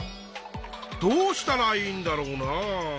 どうしたらいいんだろうなあ。